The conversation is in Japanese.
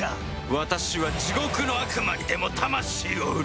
私は地獄の悪魔にでも魂を売る！